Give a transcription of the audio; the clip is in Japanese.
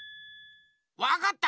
わかった！